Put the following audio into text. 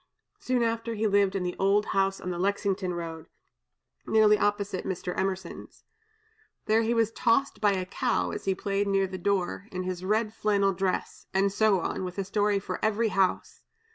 Soon after, he lived in the old house on the Lexington road, nearly opposite Mr. Emerson's. There he was tossed by a cow as he played near the door, in his red flannel dress, and so on, with a story for every house.